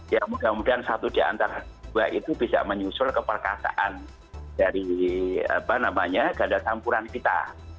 ya mudah mudahan satu di antara dua itu bisa menyusul keperkasaan dari ganda campuran kita